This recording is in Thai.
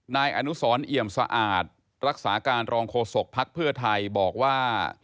นายอนุสรเอี่ยมสะอาดรักษาการรองโฆษกภักดิ์เพื่อไทยบอกว่า